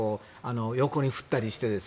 横に振ったりして。